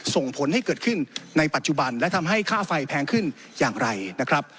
ส่งผลให้เกิดขึ้นในปัจจุบันและทำให้ค่าไฟแพงขึ้นอย่างไรนะครับ